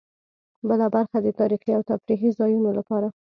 بله برخه د تاريخي او تفريحي ځایونو لپاره.